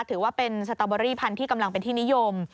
ถือว่าเป็นสตอเบอรี่พันธุ์ที่กำลังเป็นที่นิยม